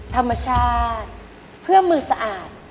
ธรรมชาติเพื่อมือสะอาด